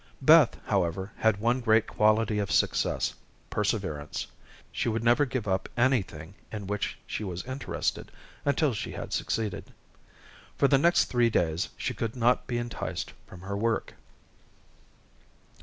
Beth, however, had one great quality of success, perseverance. She would never give up anything in which she was interested, until she had succeeded. For the next three days, she could not be enticed from her work.